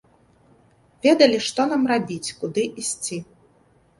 Ведалі, што нам рабіць, куды ісці.